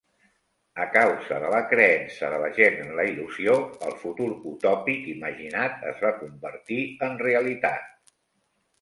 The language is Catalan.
A causa de la creença de la gent en la il·lusió, el futur utòpic imaginat es va convertir en realitat.